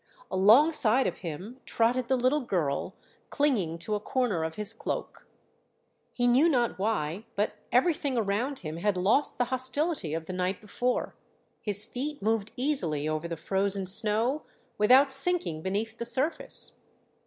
Alongside of him trotted the little girl clinging to a corner of his cloak. He knew not why, but everything around him had lost the hostility of the night before; his feet moved easily over the frozen snow without sinking beneath the surface.